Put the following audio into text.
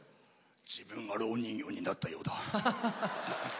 自分が蝋人形になったようだ。